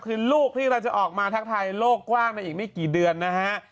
คือลูกที่เราจะออกมาทักทายโลกกว้างในอีกไม่กี่เดือนนะฮะ